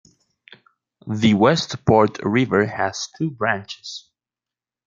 The Westport River has two branches.